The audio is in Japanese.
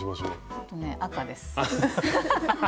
えっとね赤です。